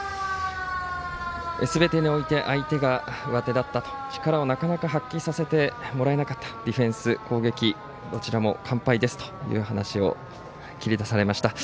すべてにおいて相手がうわてだったと力をなかなか発揮させてもらえなかったディフェンス、攻撃どちらも完敗ですという話を切り出されました。